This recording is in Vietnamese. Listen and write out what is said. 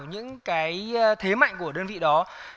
những cái thế mạnh của đơn vị đó